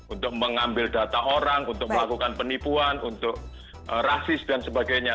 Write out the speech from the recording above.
untuk mengambil data orang untuk melakukan penipuan untuk rasis dan sebagainya